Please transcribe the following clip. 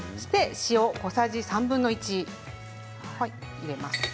塩が小さじ３分の１入れます。